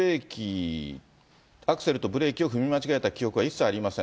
アクセルとブレーキを踏み間違えた記憶は一切ありません。